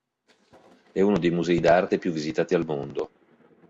È uno dei musei d'arte più visitati al mondo.